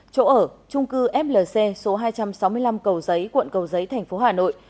chỗ ở trung cư flc số hai trăm sáu mươi năm cầu giấy quận cầu giấy tp hà nội